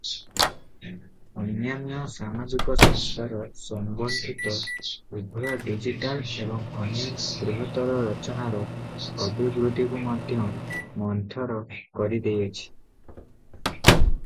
ଅନ୍ୟାନ୍ୟ ସାମାଜିକ ସଂସ୍କାର ସମ୍ବନ୍ଧିତ ଉଭୟ ଡିଜିଟାଲ ଏବଂ ଅନ୍ୟାନ୍ୟ ବୃହତ୍ତର ରଚନାର ଅଭିବୃଦ୍ଧିକୁ ମଧ୍ୟ ମନ୍ଥର କରିଦେଇଛି ।